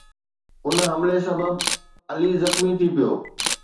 ان حملي سبب علي زخمي ٿي پيو